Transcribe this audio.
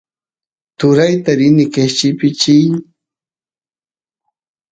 turayta rini qeshpichiy